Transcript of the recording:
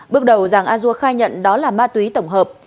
bước đầu giàng a dua khai nhận đó là ma túy tổng hợp